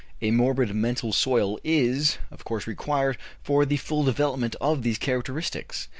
A morbid mental soil is, of course, required for the full development of these characteristics.